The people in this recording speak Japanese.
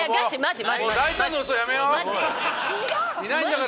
いないんだから！